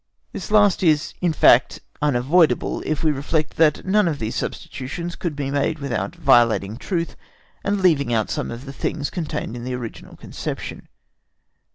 This last is, in fact, unavoidable, if we reflect that none of these substitutions could be made without violating truth and leaving out some of the things contained in the original conception.